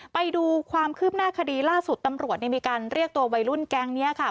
ไปดูความคืบหน้าคดีล่าสุดตำรวจมีการเรียกตัววัยรุ่นแก๊งนี้ค่ะ